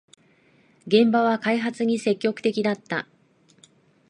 現場は開発に積極的だった